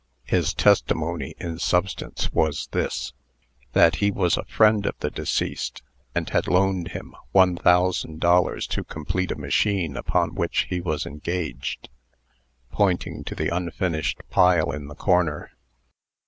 His testimony, in substance, was this: That he was a friend of the deceased, and had loaned him one thousand dollars to complete a machine upon which he was engaged pointing to the unfinished pile in the corner.